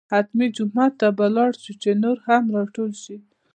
حتمي جومات ته به لاړ شو چې نور هم راټول شي.